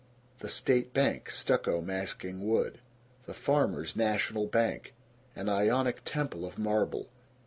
The State Bank, stucco masking wood. The Farmers' National Bank. An Ionic temple of marble.